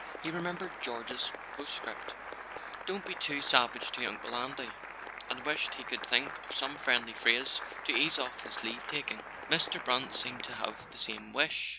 He remembered George's postscript: "Don't be too savage to Uncle Andy," and wished he could think of some friendly phrase to ease off his leave taking. Mr. Brant seemed to have the same wish.